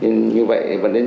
nhưng như vậy vẫn nên chờ